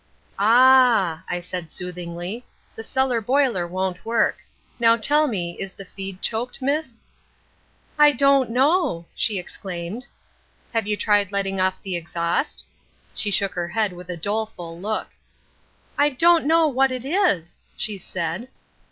"'Ah!' I said soothingly. 'The cellar boiler won't work. Now tell me, is the feed choked, miss?' "'I don't know,' she exclaimed. "'Have you tried letting off the exhaust?' "She shook her head with a doleful look. "'I don't know what it is,' she said.